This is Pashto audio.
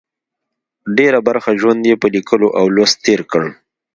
ډېره برخه ژوند یې په لیکلو او لوست تېر کړه.